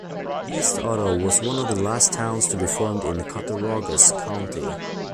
East Otto was one of the last towns to be formed in Cattaraugus County.